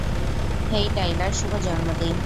হেই Tyler, শুভ জন্মদিন।